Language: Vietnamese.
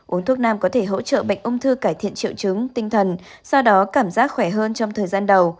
uống thuốc nam có thể hỗ trợ bệnh ung thư cải thiện triệu chứng tinh thần sau đó cảm giác khỏe hơn trong thời gian đầu